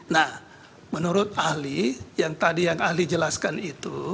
nah menurut ahli yang tadi yang ahli jelaskan itu